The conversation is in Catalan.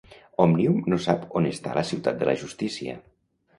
Òmnium no sap on està la Ciutat de la Justícia